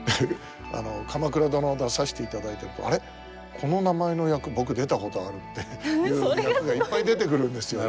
「鎌倉殿」出させていただいてると「あれ？この名前の役僕出たことある」っていう役がいっぱい出てくるんですよ。